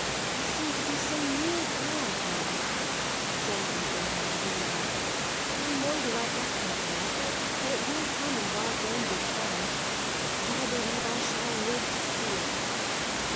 I seem to be so near God, now," Jenkins went on dreamily, "that I know the right must come to light; that it will come in God's own good time. And I believe I shall live to see it!"